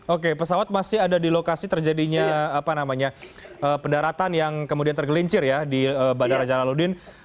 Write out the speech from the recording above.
oke pesawat masih ada di lokasi terjadinya pendaratan yang kemudian tergelincir ya di bandara jalaludin